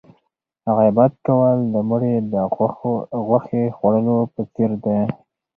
غیبت کول د مړي د غوښې خوړلو په څېر دی.